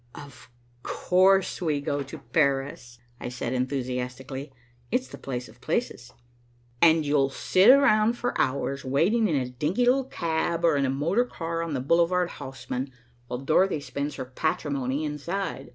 "Of course we go to Paris," I said enthusiastically. "It's the place of places." "And you'll sit round for hours, waiting in a dinky little cab or in a motor car on the Boulevard Haussmann, while Dorothy spends her patrimony inside.